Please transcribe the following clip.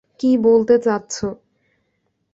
কি বলতে চাচ্ছো?